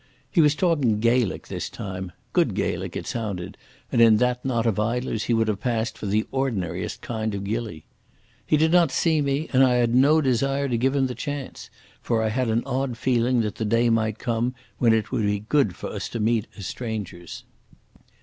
He was talking Gaelic this time—good Gaelic it sounded, and in that knot of idlers he would have passed for the ordinariest kind of gillie. He did not see me, and I had no desire to give him the chance, for I had an odd feeling that the day might come when it would be good for us to meet as strangers.